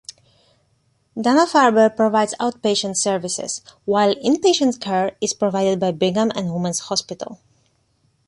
Dana-Farber provides outpatient services, while inpatient care is provided by Brigham and Women's Hospital.